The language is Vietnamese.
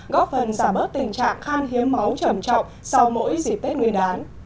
góp phần giảm bớt tình trạng khan hiếm máu trầm trọng sau mỗi dịp tết nguyên đán